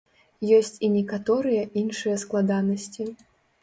Ёсць і некаторыя іншыя складанасці.